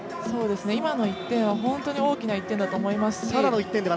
今の１点は本当に大きな１点だと思いますし。